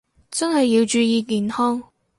真係要注意健康